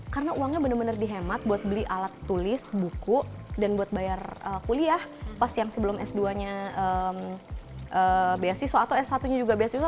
karena uangnya bener bener dihemat buat beli alat tulis buku dan buat bayar kuliah pas yang sebelum s dua nya beasiswa atau s satu nya juga beasiswa